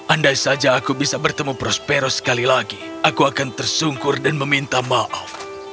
andai saja aku bisa bertemu prospero sekali lagi aku akan tersungkur dan meminta maaf